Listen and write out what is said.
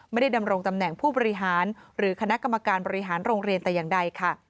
ดำรงตำแหน่งผู้บริหารหรือคณะกรรมการบริหารโรงเรียนแต่อย่างใดค่ะ